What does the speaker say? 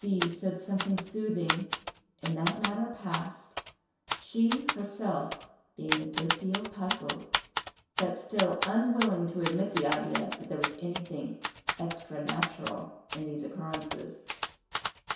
C—— said something soothing, and that matter passed, she, herself, being a good deal puzzled, but still unwilling to admit the idea that there was anything extra natural in these occurrences.